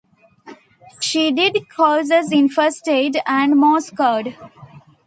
She did courses in first aid and Morse code.